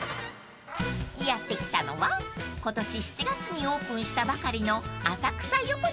［やって来たのは今年７月にオープンしたばかりの］